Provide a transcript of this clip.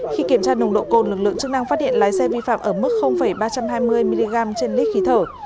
khi kiểm tra nồng độ cồn lực lượng chức năng phát hiện lái xe vi phạm ở mức ba trăm hai mươi mg trên lít khí thở